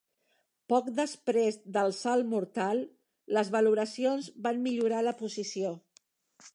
Poc després del salt mortal, les valoracions van millorar la posició.